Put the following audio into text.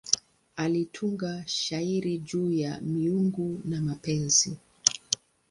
Alitunga shairi juu ya miungu na mapenzi.